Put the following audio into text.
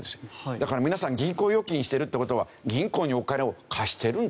だから皆さん銀行預金してるって事は銀行にお金を貸してるんですよ。